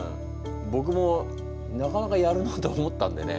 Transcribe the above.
ぼくもなかなかやるなと思ったんでね。